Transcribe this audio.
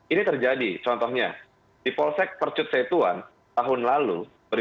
ini terjadi contohnya di polsek percut setuan tahun lalu dua ribu dua puluh